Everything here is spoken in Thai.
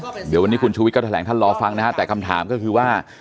เดี๋ยววันนี้คุณชูวิทก็แถลงท่านรอฟังนะฮะแต่คำถามก็คือว่า